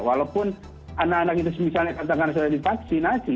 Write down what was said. walaupun anak anak itu misalnya katakan sudah divaksinasi